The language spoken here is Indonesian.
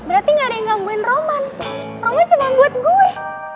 roman cuma buat gue